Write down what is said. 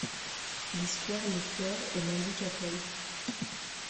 L’histoire l’effleure et l’indique à peine.